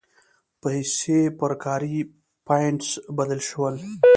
پیسې پر کاري پاینټس بدل شول.